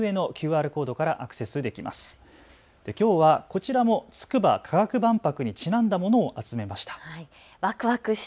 きょうはこちらのつくば科学万博にちなんだものを集めました。